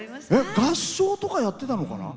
合唱とかやってたのかな？